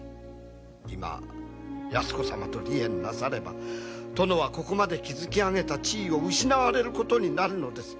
今泰子様と離縁なされば殿はここまで築き上げた地位を失われることになるのです。